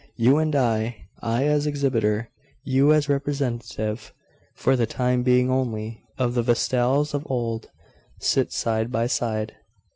You and I I as exhibitor, you as representative for the time being only of the Vestals of old sit side by side....